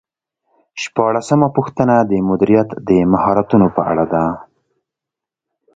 شپاړسمه پوښتنه د مدیریت د مهارتونو په اړه ده.